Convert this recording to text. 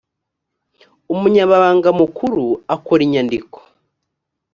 umunyamabanga mukuru akora inyandiko